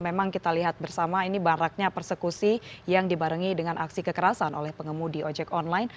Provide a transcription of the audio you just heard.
memang kita lihat bersama ini baraknya persekusi yang dibarengi dengan aksi kekerasan oleh pengemudi ojek online